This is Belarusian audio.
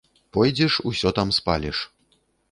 Пойдзеш, усё там спаліш.